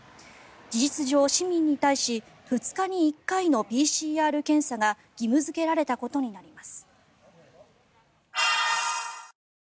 事実上、市民に対し２日に１回のＰＣＲ検査が義務付けられたことになります。